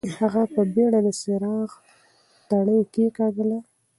هغه په بېړه د څراغ تڼۍ کېکاږله.